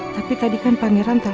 tapi tadi kan pangeran tahu